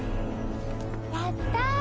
やった！